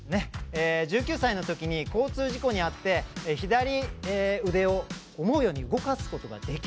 １９歳のときに交通事故に遭って左腕を思うように動かすことができないんですね。